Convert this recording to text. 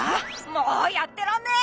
もうやってらんねえ！